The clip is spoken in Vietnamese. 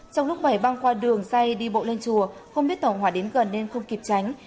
trong lúc bảy băng qua đường dây đi bộ lên chùa không biết tàu hỏa đến gần nên không kịp tránh